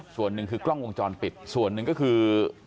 ส่วนหนึ่งคือกล้องวงจรปิดส่วนหนึ่งก็คือ